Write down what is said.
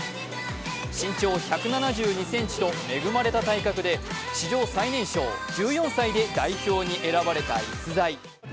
身長１７２ｃｍと恵まれた体格で史上最年少１４歳で代表に選ばれた逸材。